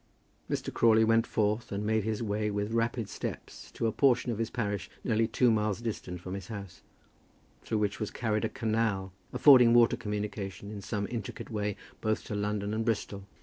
Mr. Crawley went forth and made his way with rapid steps to a portion of his parish nearly two miles distant from his house, through which was carried a canal, affording water communication in some intricate way both to London and Bristol.